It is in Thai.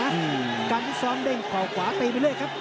สำคัญมากนะการที่ซ้อมเด้งขวาไปไปเลยครับ